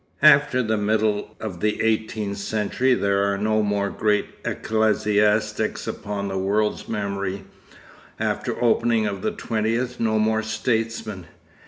After the middle of the eighteenth century there are no more great ecclesiastics upon the world's memory, after the opening of the twentieth no more statesmen.